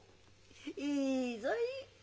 いいぞい！